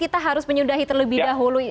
kita harus menyudahi terlebih dahulu